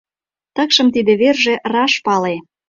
Такшым тиде верже раш пале.